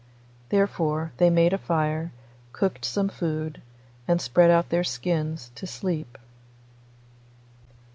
Therefore they made a fire, cooked some food, and spread out their skins to sleep.